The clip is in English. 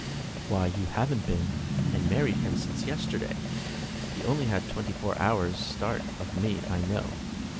"Why, you haven't been and married him since yesterday? He only had twenty four hours' start of me, I know.